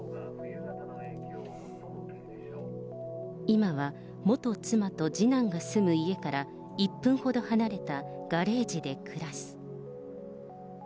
今は元妻と次男が住む家から１分ほど離れたガレージで暮らす。